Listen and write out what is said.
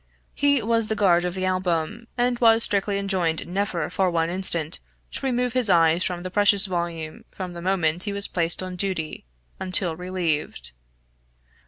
He was the guard of the Album, and was strictly enjoined never, for one instant, to remove his eyes from the precious volume from the moment he was placed on duty, until relieved.